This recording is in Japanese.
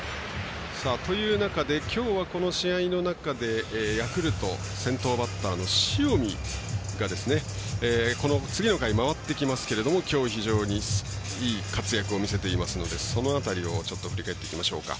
という中で、きょうはこの試合の中でヤクルト、先頭バッターの塩見が次の回回ってきますけれどもきょう、非常にいい活躍を見せていますのでその辺りを振り返っていきましょう。